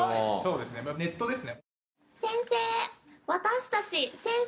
まあネットですね。